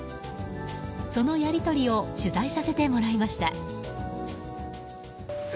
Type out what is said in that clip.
そのやり取りを取材させてもらいました。